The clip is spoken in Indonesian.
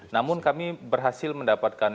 namun kami berhasil mendapatkan